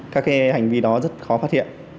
các hành vi đó rất khó phát hiện